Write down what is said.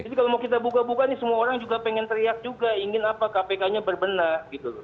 jadi kalau mau kita buka bukaan ini semua orang juga pengen teriak juga ingin apa kpknya berbenah gitu